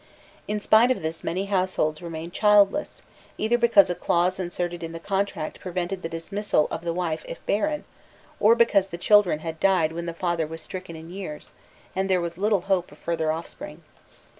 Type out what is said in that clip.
* In spite of this many households remained childless, either because a clause inserted in the contract prevented the dismissal of the wife if barren, or because the children had died when the father was stricken in years, and there was little hope of further offspring.